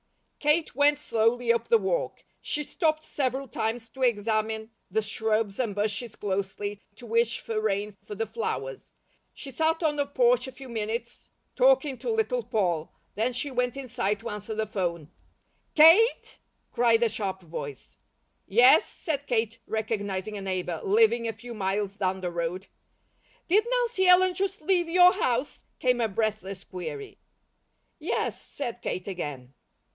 Kate went slowly up the walk. She stopped several times to examine the shrubs and bushes closely, to wish for rain for the flowers. She sat on the porch a few minutes talking to Little Poll, then she went inside to answer the phone. "Kate?" cried a sharp voice. "Yes," said Kate, recognizing a neighbour, living a few miles down the road. "Did Nancy Ellen just leave your house?" came a breathless query. "Yes," said Kate again.